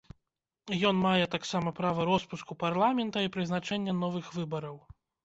Ён мае таксама права роспуску парламента і прызначэння новых выбараў.